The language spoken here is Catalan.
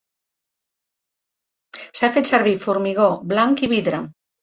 S'ha fet servir formigó blanc i vidre.